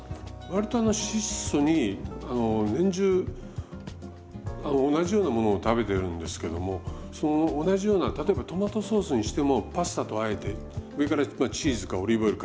割と質素に年中同じようなものを食べてるんですけどもその同じような例えばトマトソースにしてもパスタとあえて上からチーズかオリーブオイルをかける。